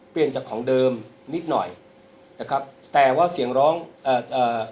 เปลี่ยนจากของเดิมนิดหน่อยนะครับแต่ว่าเสียงร้องเอ่อเอ่อ